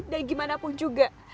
dan gimana pun juga